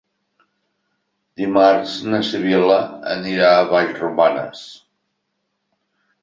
Dimarts na Sibil·la anirà a Vallromanes.